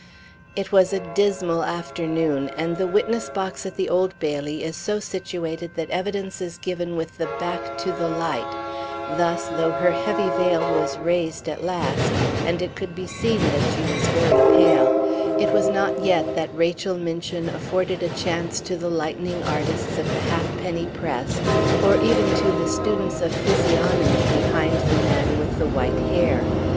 It was a dismal afternoon, and the witness box at the Old Bailey is so situated that evidence is given with the back to the light; thus, though her heavy veil was raised at last, and it could be seen that she was very pale, it was not yet that Rachel Minchin afforded a chance to the lightning artists of the half penny press, or even to the students of physiognomy behind the man with the white hair.